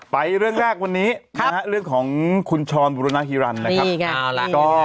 ไปเรื่องแรกวันนี้นะฮะเรื่องของคุณชรบุรณฮิรันดินะครับ